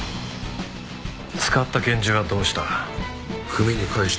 使った拳銃はどうした？